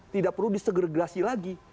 tidak perlu disegregasi lagi